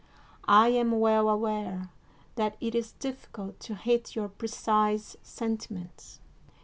I am well aware that it is diflScult to hit your precise sentiments.